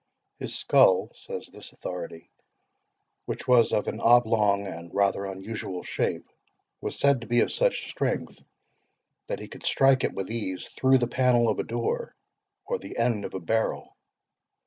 "His skull," says this authority, "which was of an oblong and rather unusual shape, was said to be of such strength, that he could strike it with ease through the panel of a door, or the end of a barrel.